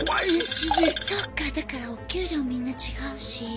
そっかだからお給料みんな違うし。